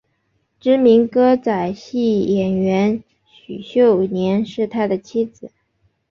知名歌仔戏演员许秀年是他的妻子。